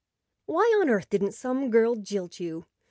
Why on earth didn't some girl jilt you?